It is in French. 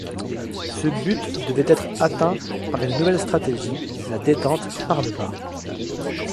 Ce but devait être atteint par une nouvelle stratégie: la détente par le bas.